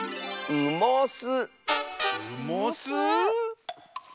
うもす！